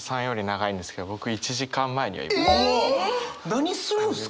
何するんすか！？